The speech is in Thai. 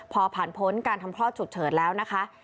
พอผ่านพ้นการทำคลอดฉุกเฉินแล้วนะคะ